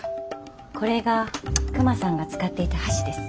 これがクマさんが使っていた箸です。